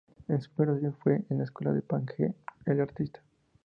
En sus primeros años, fue En la escuela con Page, el artista.